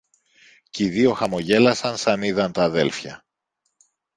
Και οι δυο χαμογέλασαν σαν είδαν τ' αδέλφια.